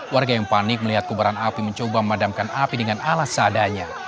warga yang panik melihat kubaran api mencoba memadamkan api dengan alas seadanya